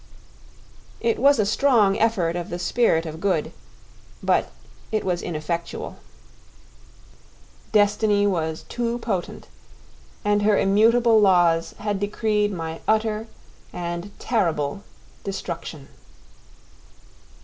It was a strong effort of the spirit of good, but it was ineffectual. Destiny was too potent, and her immutable laws had decreed my utter and terrible destruction.